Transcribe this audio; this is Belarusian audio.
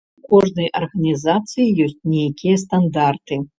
У кожнай арганізацыі ёсць нейкія стандарты.